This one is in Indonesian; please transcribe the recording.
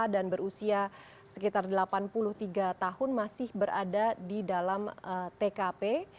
dan berusia sekitar delapan puluh tiga tahun masih berada di dalam tkp